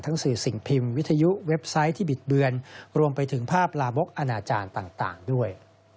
สื่อสิ่งพิมพ์วิทยุเว็บไซต์ที่บิดเบือนรวมไปถึงภาพลามกอนาจารย์ต่างด้วย